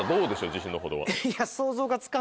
自信のほどは。